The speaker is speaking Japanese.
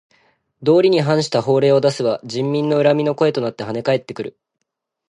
道理に反した法令を出せば人民の恨みの声となってはね返ってくる。